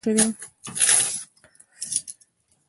دا په اوومې پیړۍ په پای کې جوړ شوي.